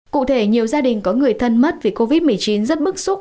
cụ thể nhiều gia đình có người thân mất vì covid một mươi chín rất bức xúc